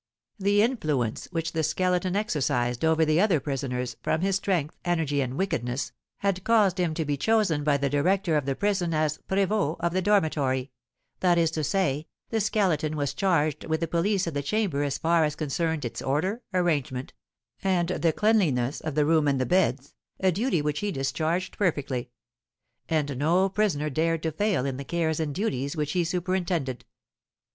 The influence which the Skeleton exercised over the other prisoners, from his strength, energy, and wickedness, had caused him to be chosen by the director of the prison as prévôt of the dormitory, that is to say, the Skeleton was charged with the police of the chamber as far as concerned its order, arrangement, and the cleanliness of the room and the beds, a duty which he discharged perfectly; and no prisoner dared to fail in the cares and duties which he superintended.